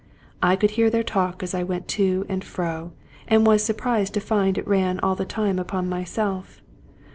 I could hear their talk as I went to and fro, and was surprised to find it ran all the time upon myself.